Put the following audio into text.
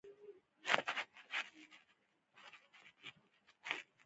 د څېلې یخه څپه برې تېره شوې وه ډېر یخ و.